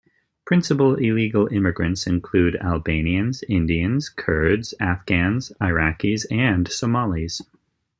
Principal illegal immigrants include Albanians, Indians, Kurds, Afghans, Iraqis and Somalis.